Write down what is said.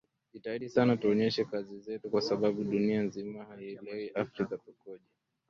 jitahidi sana tuonyeshe kazi zetu kwa sababu dunia nzima hawaelewi afrika tukoje